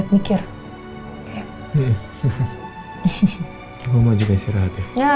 kamu dengar apa